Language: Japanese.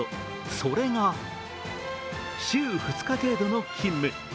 それが週２日程度の勤務。